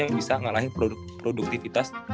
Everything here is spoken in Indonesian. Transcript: yang bisa ngalahin produktivitas